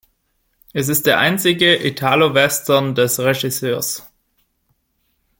Es ist der einzige Italowestern des Regisseurs.